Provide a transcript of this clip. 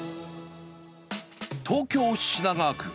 東京・品川区。